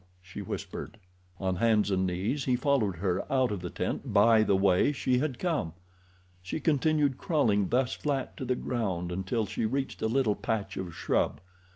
she whispered. On hands and knees he followed her out of the tent by the way she had come. She continued crawling thus flat to the ground until she reached a little patch of shrub.